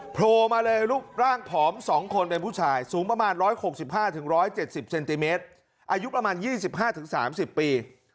โผล่มาเลยรูปร่างผอม๒คนเป็นผู้ชายสูงประมาณ๑๖๕๑๗๐เซนติเมตรอายุประมาณ๒๕๓๐ปี